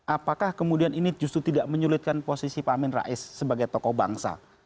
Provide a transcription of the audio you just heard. apakah kemudian ini justru tidak menyulitkan posisi pak amin rais sebagai tokoh bangsa